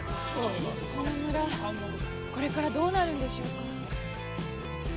この村これからどうなるんでしょうか？